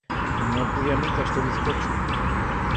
No puya mica este bizcocho.